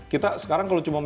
kita sekarang kalau cuma